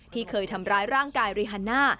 ที่เคยทำร้ายร่างกายริฮันน่า